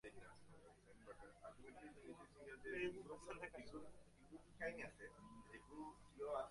The band gradually evolved into The Crash Test Dummies.